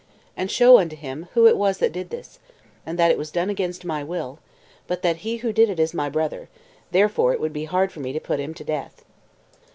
And show unto him who it was that did this, and that it was done against my will; but that he who did it is my brother, and therefore it would be hard for me to put him to death.